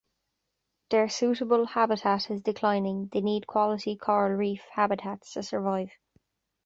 Their suitable habitat is declining; they need quality coral reef habitats to survive.